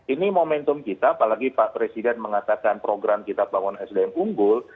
ini momentum kita apalagi pak presiden mengatakan program kita bangun sdm unggul